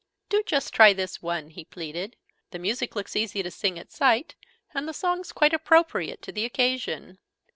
"Do just try this one!" he pleaded. "The music looks easy to sing at sight, and the song's quite appropriate to the occasion."